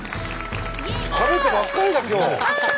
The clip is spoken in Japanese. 食べてばっかりだ今日。